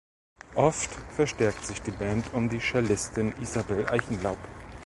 Oft verstärkt sich die Band um die Cellistin Isabel Eichenlaub.